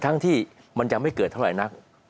ทั้งที่มันยังไม่เกิดเท่าไหร่นัก